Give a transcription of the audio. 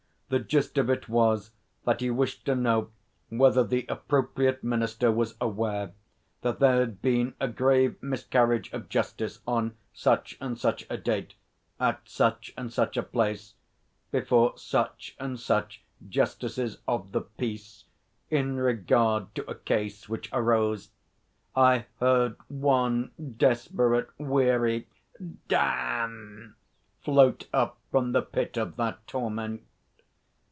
The gist of it was that he wished to know whether the appropriate Minister was aware that there had been a grave miscarriage of justice on such and such a date, at such and such a place, before such and such justices of the peace, in regard to a case which arose I heard one desperate, weary 'damn!' float up from the pit of that torment.